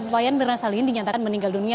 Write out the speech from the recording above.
wayan mirna salihin dinyatakan meninggal dunia